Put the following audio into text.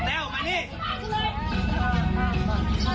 มึงไม่พามันไปกินน้ำเย็นที่บ้านกูเลย